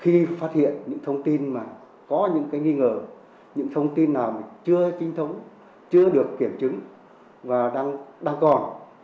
khi phát hiện những thông tin mà có những nghi ngờ những thông tin nào chưa chính thống chưa được kiểm chứng và đang còn